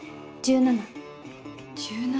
１７。